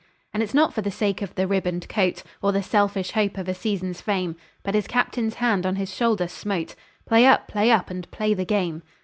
And it's not for the sake of a ribboned coat, Or the selfish hope of a season's fame, But his Captain's hand on his shoulder smote "Play up! play up! and play the game!"